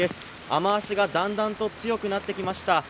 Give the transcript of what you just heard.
雨脚がだんだんと強くなってきました。